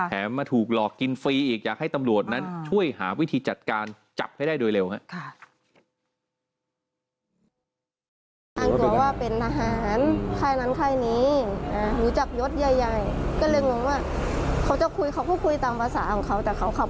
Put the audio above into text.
มาถูกหลอกกินฟรีอีกอยากให้ตำรวจนั้นช่วยหาวิธีจัดการจับให้ได้โดยเร็วครับ